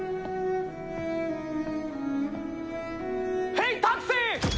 ヘイタクシー！